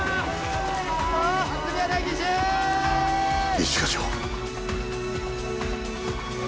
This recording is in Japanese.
一課長。